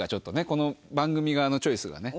この番組側のチョイスがね。